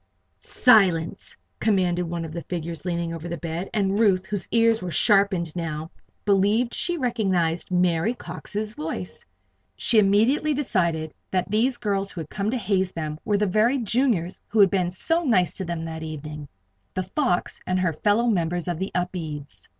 "Silence!" commanded one of the figures leaning over the bed, and Ruth, whose ears were sharpened now, believed that she recognized Mary Cox's voice. She immediately decided that these girls who had come to haze them were the very Juniors who had been so nice to them that evening "The Fox" and her fellow members of the Upedes.